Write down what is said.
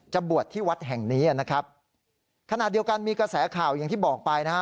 บวชที่วัดแห่งนี้นะครับขณะเดียวกันมีกระแสข่าวอย่างที่บอกไปนะฮะ